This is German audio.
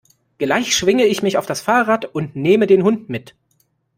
Gleich schwinge ich mich auf das Fahrrad und neme den Hund mit.